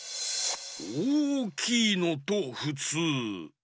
おおきいのとふつう。